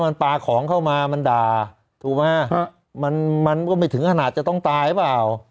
มันปลาของเข้ามามันด่าถูกไหมฮะมันมันก็ไม่ถึงขนาดจะต้องตายหรือเปล่า